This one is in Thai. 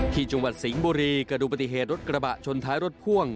ที่จังหวัดสิงห์บุรีกระดูกปฏิเหตุรถกระบะชนท้ายรถพ่วง